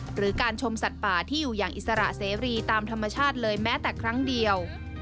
หรือการชมสัตว์ป่าที่อยู่อย่างอิสระเสรีตามธรรมชาติเลยแม้แต่ครั้งเดียว